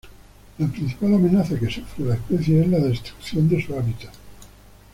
La principal amenaza que sufre la especie es la destrucción de su hábitat.